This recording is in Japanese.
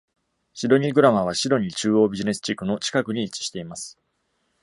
シドニーグラマーはシドニー中央ビジネス地区の近くに位置しています。